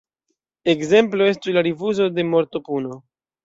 Ekzemplo estu la rifuzo de mortopuno.